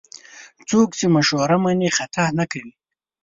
څوک چې مشوره مني، خطا نه کوي.